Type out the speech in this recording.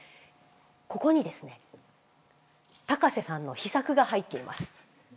ここにですね高瀬さんの秘策が入っています。